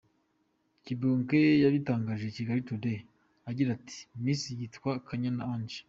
Kibonke yabitangarije Kigali Today agira ati “Miss yitwa Kanyana angel.